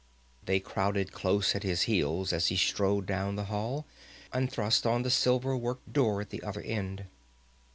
They crowded close at his heels as he strode down the hall and thrust on the silver worked door at the other end.